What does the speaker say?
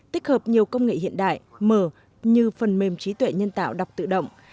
tích hợp nhiều công nghệ hiện đại mở như phần mềm trí tuệ nhân tạo đọc tự động